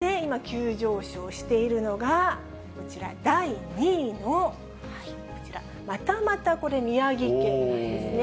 そんな中で、今、急上昇しているのがこちら、第２位のこちら、またまたこれ、宮城県なんですね。